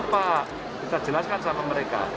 kita nyepa kita jelaskan sama mereka